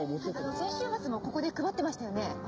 先週末もここで配ってましたよね？